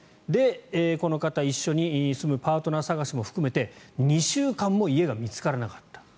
この方、一緒に住むパートナー探しも含めて２週間も家が見つからなかった。